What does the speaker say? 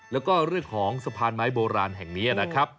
แล้วก็เรื่องของสะพานไม้โบราณแห่งนี้นะครับ